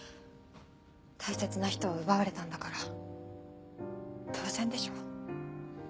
大切な人を奪われたんだから当然でしょ。